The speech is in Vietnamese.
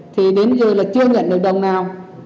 thì đến giờ là chưa nhận được đồng nào